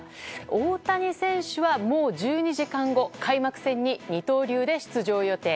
大谷翔平選手はもう１２時間後、開幕戦に二刀流で出場予定。